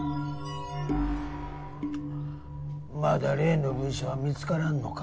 まだ例の文書は見つからんのか。